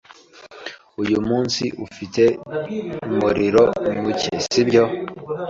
Uyu munsi ufite umuriro muke, sibyo?